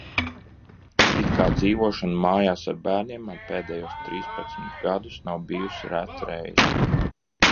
It kā dzīvošana mājās ar bērniem man pēdējos trīspadsmit gadus nav bijusi reta reize.